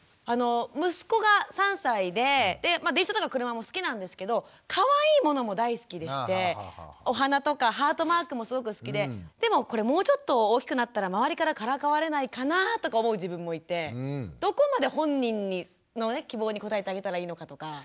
息子が３歳で電車とか車も好きなんですけどかわいいものも大好きでしてお花とかハートマークもすごく好きででもこれもうちょっと大きくなったら周りからからかわれないかなとか思う自分もいてどこまで本人の希望に応えてあげたらいいのかとか。